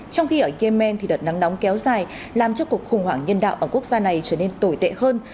trong khi ở yemen đợt nắng nóng kéo dài làm cho cuộc khủng hoảng nhân đạo ở quốc gia này trở nên tồi tệ hơn